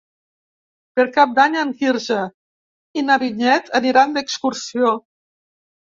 Per Cap d'Any en Quirze i na Vinyet aniran d'excursió.